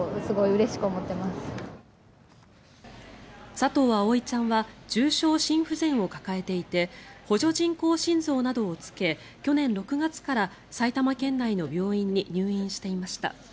佐藤葵ちゃんは重症心不全を抱えていて補助人工心臓などをつけ去年６月から埼玉県内の病院に入院していました。